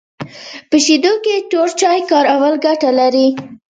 په شیدو کي توري چای کارول ګټه لري